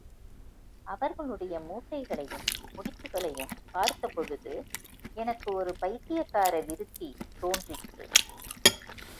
அவர்களுடைய மூட்டைகளையும், முடிச்சுகளையும் பார்த்தபொழுது எனக்கு ஒரு பைத்தியக்கார விருத்தி தோன்றிற்று.